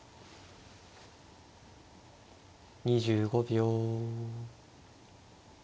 ２５秒。